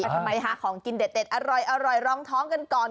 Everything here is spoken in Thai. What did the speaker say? ทำไมหาของกินเด็ดอร่อยรองท้องกันก่อน